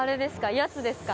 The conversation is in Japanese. やつですか？